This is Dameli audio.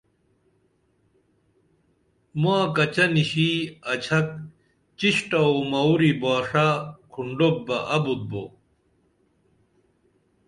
ما کچہ نِشی اچھک چݜٹہ او موری باݜہ کھنڈوپ بہ ابُت بو